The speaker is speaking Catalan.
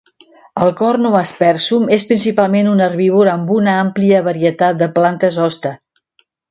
El "Cornu aspersum" és principalment un herbívor amb una àmplia varietat de plantes hoste.